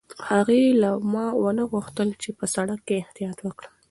هغې له ما نه وغوښتل چې په سړک کې احتیاط وکړم.